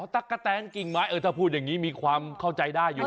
ตะกะแตนกิ่งไม้เออถ้าพูดอย่างนี้มีความเข้าใจได้อยู่